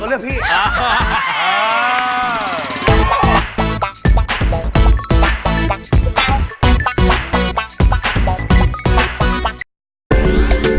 ก็เลือกกับพี่